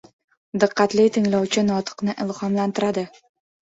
• Diqqatli tinglovchi notiqni ilhomlantiradi.